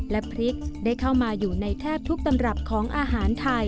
และพริกได้เข้ามาอยู่ในแทบทุกตำรับของอาหารไทย